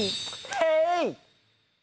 ヘイ！